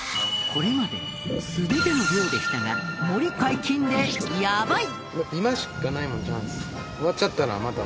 これまで素手での漁でしたがモリ解禁でやばい！